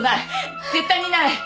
絶対にない！